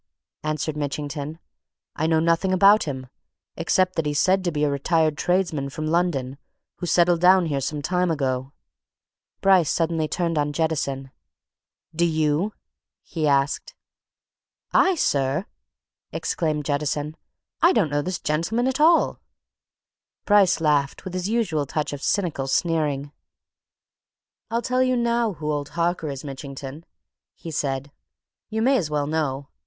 answered Mitchington. "I know nothing about him except that he's said to be a retired tradesman, from London, who settled down here some time ago." Bryce suddenly turned on Jettison. "Do you?" he asked. "I, sir!" exclaimed Jettison. "I don't know this gentleman at all!" Bryce laughed with his usual touch of cynical sneering. "I'll tell you now who old Harker is, Mitchington," he said. "You may as well know.